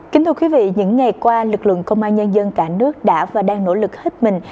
kính thưa quý vị những ngày qua lực lượng công an nhân dân cả nước đã và đang nỗ lực hết mình